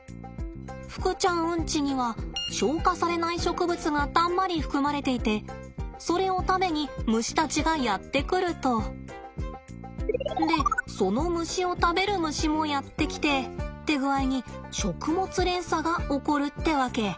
ふくちゃんうんちには消化されない植物がたんまり含まれていてそれを食べに虫たちがやって来ると。でその虫を食べる虫もやって来てって具合に食物連鎖が起こるってわけ。